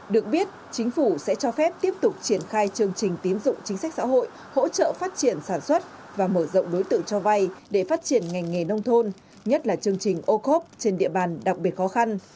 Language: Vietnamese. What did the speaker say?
được biết chính phủ sẽ cho phép tiếp tục triển khai chương trình tín dụng chính sách xã hội hỗ trợ phát triển sản xuất và mở rộng đối tượng cho vay để phát triển ngành nghề nông thôn nhất là chương trình ô khốp trên địa bàn đặc biệt khó khăn